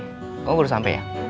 kamu baru sampe ya